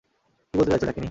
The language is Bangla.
কী বলতে চাইছ, ডাকিনী?